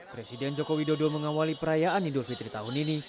presiden joko widodo mengawali perayaan idul fitri tahun ini